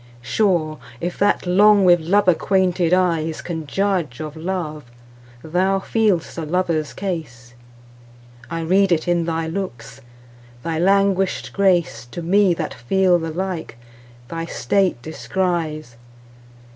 Sure, if that long with love acquainted eyesCan judge of love, thou feel'st a lover's case:I read it in thy looks; thy languish'd graceTo me, that feel the like, thy state descries.